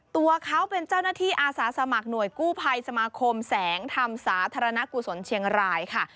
ตัวเขาเป็นเจ้าหน้าที่อาสาสมัครหน่วยกู้ภัยสมาคมแสงธรรมสาธารณกุศลเชียงรายค่ะ